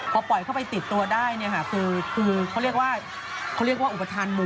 พอปล่อยเข้าไปติดตัวได้คือเขาเรียกว่าอุปฏานหมู่